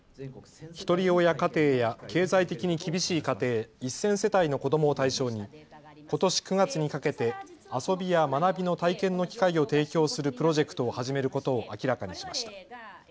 ひとり親家庭や経済的に厳しい家庭１０００世帯の子どもを対象にことし９月にかけて遊ぶや学びの体験の機会を提供するプロジェクトを始めることを明らかにしました。